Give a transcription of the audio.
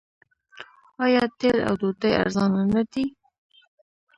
آیا تیل او ډوډۍ ارزانه نه دي؟